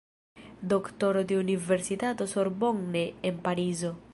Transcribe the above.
Doktoro de Universitato Sorbonne en Parizo.